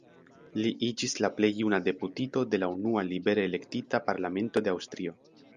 Li iĝis la plej juna deputito de la unua libere elektita parlamento de Aŭstrio.